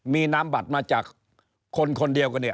มีน้ำบัตรมาจากคนคนเดียวกัน